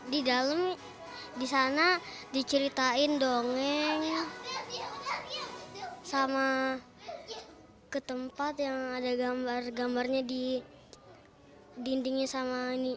di dalam di sana diceritain dongeng sama ke tempat yang ada gambar gambarnya di dindingnya sama ini